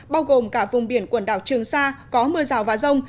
bao gồm cả vùng biển quần đảo trường sa có mưa rào và rông